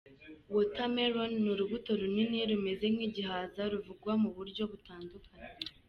Watermelon ni urubuto runini rumeze nk’igihaza, ruvugwa mu buryo butandukanye.